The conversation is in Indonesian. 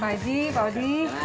pak d pak odi